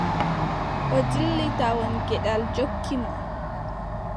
O dilli tawon geɗal jokki mo.